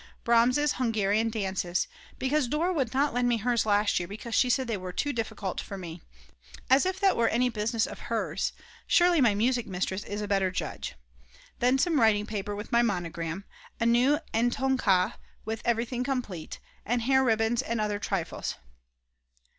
Brahms' Hungarian Dances, because Dora would not lend me hers last year because she said they were too difficult for me; as if that were any business of hers; surely my music mistress is a better judge; then some writing paper with my monogram, a new en tout cas with everything complete, and hair ribbons and other trifles.